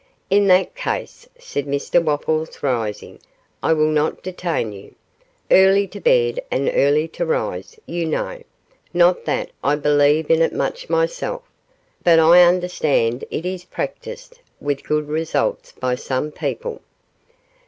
'In that case,' said Mr Wopples, rising, 'I will not detain you; early to bed and early to rise, you know; not that I believe in it much myself, but I understand it is practised with good results by some people.